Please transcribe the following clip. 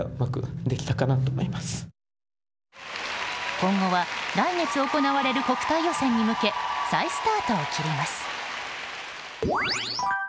今後は、来月行われる国体予選に向け再スタートを切ります。